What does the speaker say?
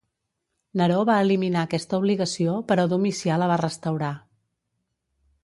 Neró va eliminar aquesta obligació però Domicià la va restaurar.